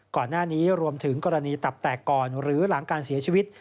ก่อนหน้านี้รวมถึงกรณีตับแตกก่อนหรือหลังการเสียชีวิต